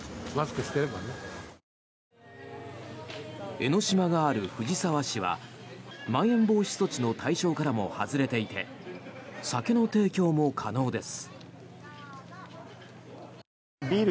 江の島がある藤沢市はまん延防止措置の対象からも外れていて酒の提供も可能です。